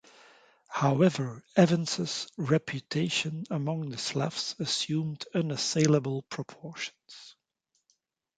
However, Evans's reputation among the Slavs assumed unassailable proportions.